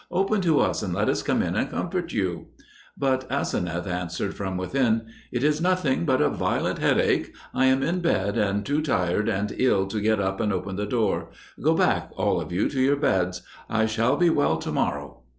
Open to us and let us come in and comfort you." But Aseneth answered from within, "It is nothing but a violent headache. I am in bed, and too tired and ill to get up and open the door. Go back all of you to your beds. I shall be well to morrow."